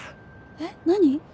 えっ何？